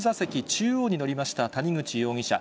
中央に乗りました谷口容疑者。